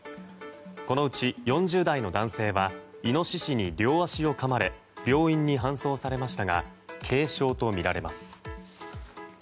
このうち４０代の男性はイノシシに両足をかまれ病院に搬送されましたが軽傷とみられます。